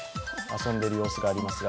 遊んでいる様子がありますが。